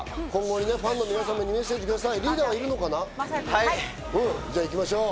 ファンの皆さんにメッセージをはい！